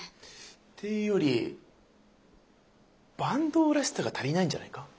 ていうより坂東らしさが足りないんじゃないか。